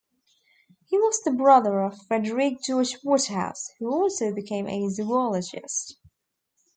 He was the brother of Frederick George Waterhouse, who also became a zoologist.